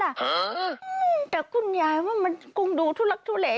อ้าวเอาไปเลยขึ้นเลยโลมไปเลย